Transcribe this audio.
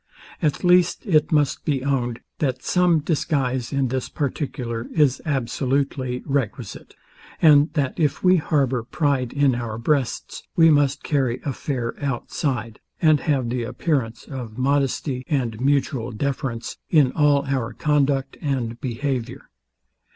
At least, it must be owned, that some disguise in this particular is absolutely requisite; and that if we harbour pride in our breasts, we must carry a fair outside, and have the appearance of modesty and mutual deference in all our conduct and behaviour.